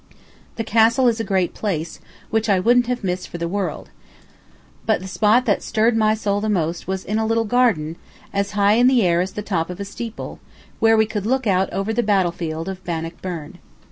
The castle is a great place, which I wouldn't have missed for the world; but the spot that stirred my soul the most was in a little garden, as high in the air as the top of a steeple, where we could look out over the battlefield of Bannockburn.